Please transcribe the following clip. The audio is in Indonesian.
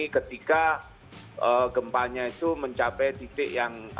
ketika gempanya itu mencapai titik yang